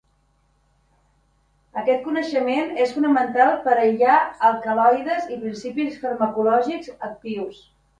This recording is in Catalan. Aquest coneixement és fonamental per aïllar alcaloides i principis farmacològics actius.